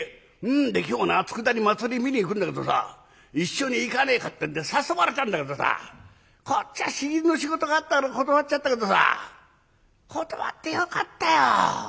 で今日な佃に祭り見に行くんだけどさ一緒に行かねえかってんで誘われたんだけどさこっちは仕事があったから断っちゃったけどさ断ってよかったよ。